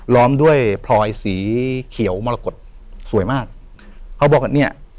้อมด้วยพลอยสีเขียวมรกฏสวยมากเขาบอกเนี้ย